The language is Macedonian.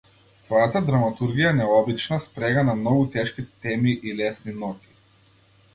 Твојата драматургија е необична спрега на многу тешки теми и лесни ноти.